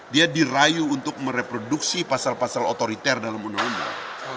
dia dirayu untuk mereproduksi pasal pasal otoriter dalam undang undang